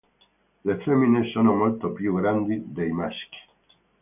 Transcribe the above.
Le femmine sono molto più grandi dei maschi.